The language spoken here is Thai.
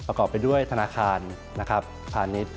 ประกอบไปด้วยธนาคารพาณิชย์